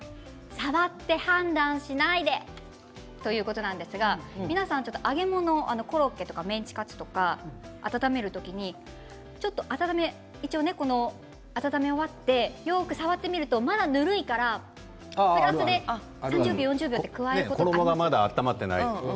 触って判断しないでということですが皆さん揚げ物コロッケ、メンチカツとか温める時温め終わってよく触ってみるとまだぬるいからプラスで３０秒、４０秒を加えることがありませんか？